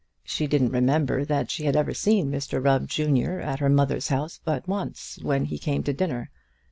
She didn't remember that she had ever seen Mr Rubb, junior, at her mother's house but once, when he came to dinner.